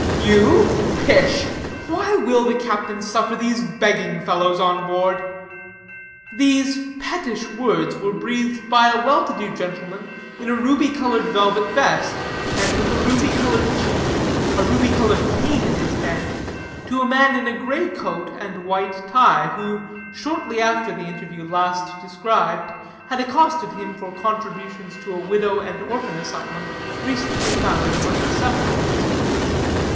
"You pish! Why will the captain suffer these begging fellows on board?"; These pettish words were breathed by a well to do gentleman in a ruby colored velvet vest, and with a ruby colored cheek, a ruby headed cane in his hand, to a man in a gray coat and white tie, who, shortly after the interview last described, had accosted him for contributions to a Widow and Orphan Asylum recently founded among the Seminoles.